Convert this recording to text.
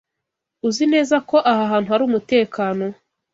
Uzi neza ko aha hantu hari umutekano?